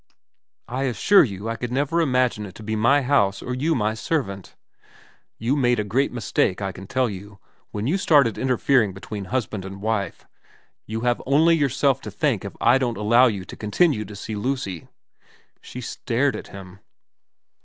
' I assure you I could never imagine it to be my house or you my servant.' ' You made a great mistake, I can tell you, when you started interfering between husband and wife. You have only yourself to thank if I don't allow you to continue to see Lucy.' VERA 355 She stared at him.